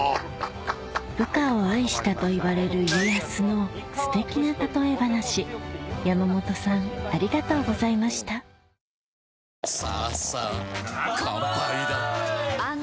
部下を愛したといわれる家康のすてきな例え話山本さんありがとうございました与作は木をきる与作？